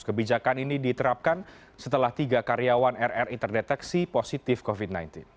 kebijakan ini diterapkan setelah tiga karyawan rri terdeteksi positif covid sembilan belas